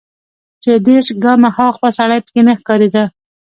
چې دېرش ګامه ها خوا سړى پکښې نه ښکارېده.